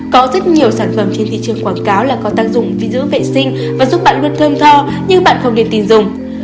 có rất nhiều sản phẩm trên thị trường quảng cáo là có tác dụng vi giữ vệ sinh và giúp bạn luôn thơm tho nhưng bạn không nên tin dùng